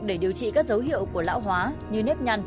để điều trị các dấu hiệu của lão hóa như nếp nhăn